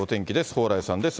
蓬莱さんです。